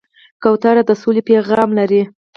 کوتره د سولې پیغام لري.